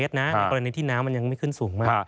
ในกรณีที่น้ำมันยังไม่ขึ้นสูงมาก